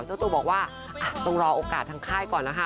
เจ้าตัวบอกว่าต้องรอโอกาสทางค่ายก่อนแล้วค่ะ